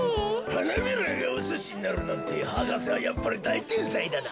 はなびらがおすしになるなんて博士はやっぱりだいてんさいだな。